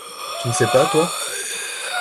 Tu ne sais pas, toi ?